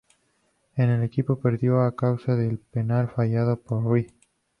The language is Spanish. El equipo perdió a causa del penal fallado por Ri.